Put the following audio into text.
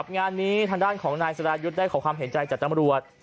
งานนี้ทางด้านของนายสรายุทธ์ได้ขอความเห็นใจจากตำรวจ